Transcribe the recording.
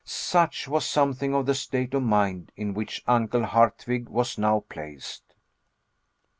Such was something of the state of mind in which Uncle Hardwigg was now placed.